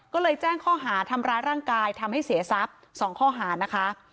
ก็เลยแจ้งข้อหาทำร้ายร่างกายทำให้เสียทรัพย์๒ข้อหานะคะ